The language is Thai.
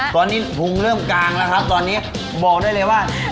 ตอนนี้พุงเริ่มกลางแล้วครับตอนนี้บอกได้เลยว่า